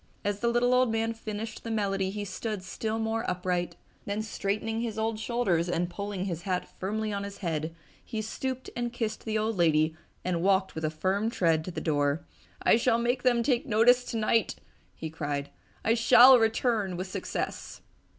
As the little old man finished the melody he stood still more upright. Then straightening his old shoulders and pulling his hat firmly on his head, he stooped and kissed the old lady and walked with a firm tread to the door. "I shall make them take notice tonight!" he cried. "I shall return with success!"